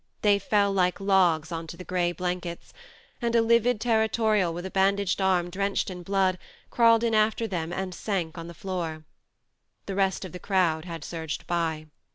They fell like logs on to the grey blankets, and a livid terri torial with a bandaged arm drenched in blood crawled in after them and sank on the floor. The rest of the crowd had surged by.